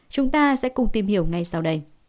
chúng ta sẽ cùng tìm hiểu ngay sau